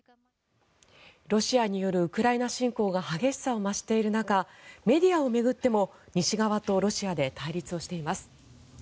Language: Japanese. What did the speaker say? ロシアによるウクライナ侵攻が激しさを増している中メディアを巡っても西側とロシアで対立をしています。